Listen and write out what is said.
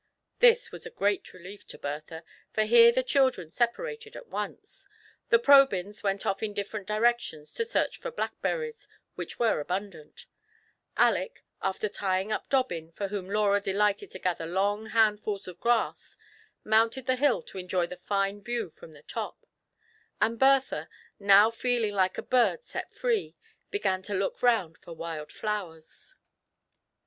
This was a great relief to Bertha, for here the children separated at once. The Probyns went off in different directions to search for blackberries, which were abundant ; Aleck, after tying up Dobbin, for whom Laura delighted to gather long handfuls of grass> mounted the hill to enjoy the fine view from the top ; and Bertha, now feeling like a bird set free, began to look round for wild flowers.